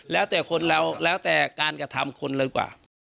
แล้วแต่คนเราแล้วแต่การกระทำคนเลยกว่า